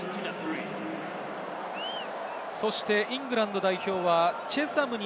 そしてイングランド代表はチェサムに